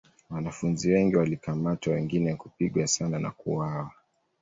Wanafunzi wengi walikamatwa wengine kupigwa sana na kuuawa.